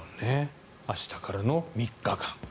明日からの３日間。